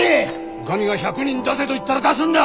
お上が１００人出せと言ったら出すのだ！